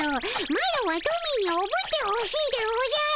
マロはトミーにおぶってほしいでおじゃる。